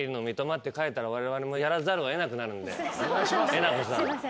えなこさん。